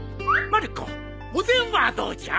まる子おでんはどうじゃ？